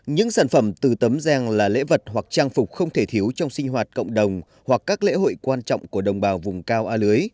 những sản phẩm từ tấm giang là lễ vật hoặc trang phục không thể thiếu trong sinh hoạt cộng đồng hoặc các lễ hội quan trọng của đồng bào vùng cao a lưới